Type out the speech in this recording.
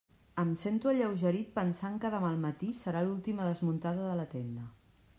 Em sento alleugerit pensant que demà al matí serà l'última desmuntada de la tenda.